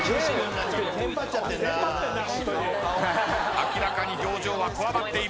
明らかに表情はこわばっている。